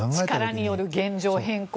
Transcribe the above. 力による現状変更。